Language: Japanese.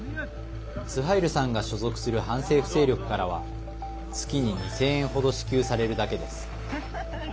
スハイルさんが所属する反政府勢力からは月に２０００円ほど支給されるだけです。